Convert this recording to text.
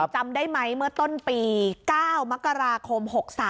จำได้ไหมเมื่อต้นปี๙มกราคม๖๓